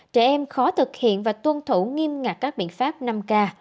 trẻ em khó thực hiện và tuân thủ nghiêm ngặt các biện pháp năm k